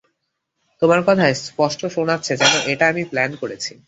তোমার কথায় স্পষ্ট শোনাচ্ছে যেন এটা আমি প্ল্যান করেছি।